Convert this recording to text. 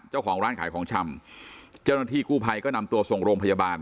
เจ้าของร้านขายของชำเจ้าหน้าที่กู้ภัยก็นำตัวส่งโรงพยาบาล